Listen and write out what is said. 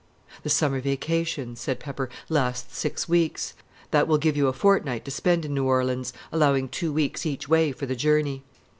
"The summer vacation," said Pepper, "lasts six weeks; that will give you a fortnight to spend in New Orleans, allowing two weeks each way for the journey."